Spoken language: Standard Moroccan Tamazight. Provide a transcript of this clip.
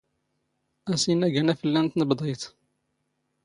ⴰⵙⵉⵏⴰⴳ ⴰⵏⴰⴼⵍⵍⴰ ⵏ ⵜⵏⴱⴹⴰⵢⵜ.